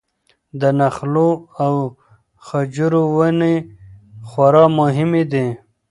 د نخلو او خجورو ونې خورا مهمې دي.